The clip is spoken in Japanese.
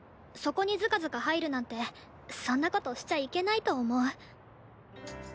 そこにズカズカ入るなんてそんなことしちゃいけないと思う。